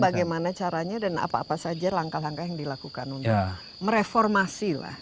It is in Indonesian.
bagaimana caranya dan apa apa saja langkah langkah yang dilakukan untuk mereformasi lah